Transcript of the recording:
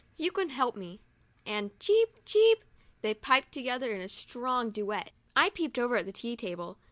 You can help me," and cheep ! cheep ! they piped together in a strong duet. I peeped over at the tea table.